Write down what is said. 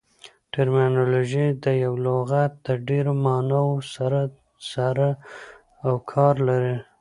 ټرمینالوژي د یوه لغات د ډېرو ماناوو سره سر او کار لري.